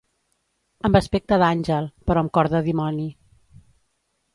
Amb aspecte d’àngel, però amb cor de dimoni.